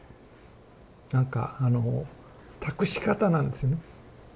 なんかあの託し方なんですよね。